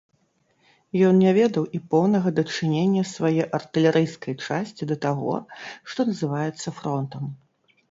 Ён не ведаў і поўнага дачынення свае артылерыйскай часці да таго, што называецца фронтам.